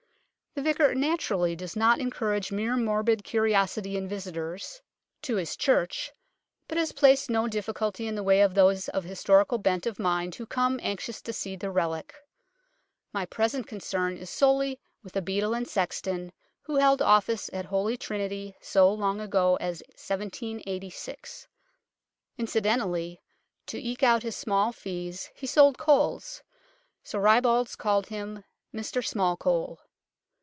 The Vicar naturally does not en courage mere morbid curiosity in visitors to his 16 UNKNOWN LONDON church, but has placed no difficulty in the way of those of historical bent of mind who come, anxious to see the relic. My present concern is sorely with a beadle and sexton, who held office at Holy Trinity so long ago as 1786. Incident ally, to eke out his small fees, he sold coals. So ribalds called him " Mr Smallcole."